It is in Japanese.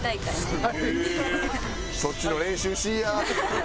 そっちの練習しいや。